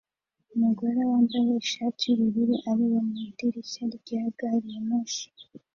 Umugore wambaye ishati yubururu areba mu idirishya rya gari ya moshi